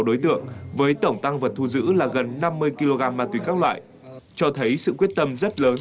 sáu mươi sáu đối tượng với tổng tăng vật thu giữ là gần năm mươi kg ma túy các loại cho thấy sự quyết tâm rất lớn